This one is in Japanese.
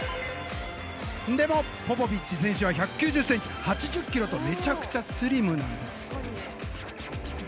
でも、ポポビッチ選手は１９０ｃｍ、８０ｋｇとめちゃくちゃスリムなんです。